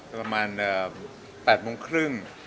ประมาณ๘๓๐นะครับ